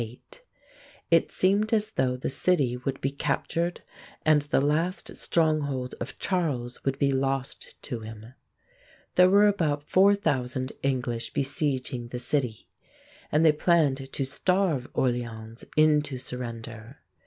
It seemed as though the city would be captured and the last stronghold of Charles would be lost to him. There were about 4,000 English besieging the city, and they planned to starve Orléans into surrender.